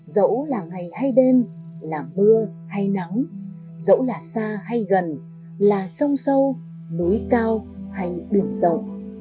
dẫu là ngày hay đêm là mưa hay nắng dẫu là xa hay gần là sông sâu núi cao hay đường rộng